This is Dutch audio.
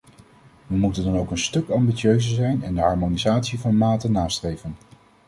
We moeten dan ook een stuk ambitieuzer zijn en de harmonisatie van maten nastreven.